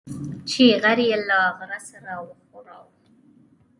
چې غر يې له غره سره وښوراوه.